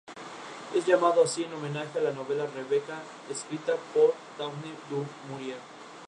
Es llamado así en homenaje a la novela Rebeca, escrita por Daphne du Maurier.